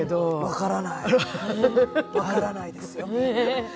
分からないですよ。